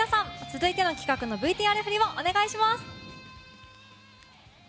続いての企画のＶＴＲ振りをお願いします。